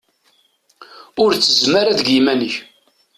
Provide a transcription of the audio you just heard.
Ur ttezzem ara deg yiman-ik!